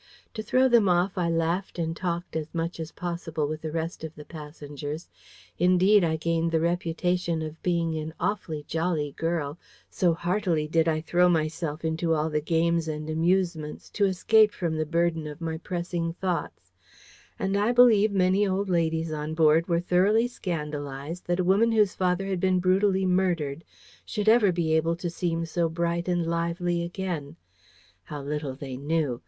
To throw them off, I laughed and talked as much as possible with the rest of the passengers. Indeed, I gained the reputation of being "an awfully jolly girl," so heartily did I throw myself into all the games and amusements, to escape from the burden of my pressing thoughts: and I believe many old ladies on board were thoroughly scandalised that a woman whose father had been brutally murdered should ever be able to seem so bright and lively again. How little they knew!